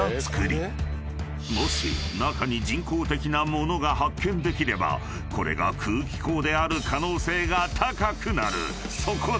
［もし中に人工的な物が発見できればこれが空気口である可能性が高くなる。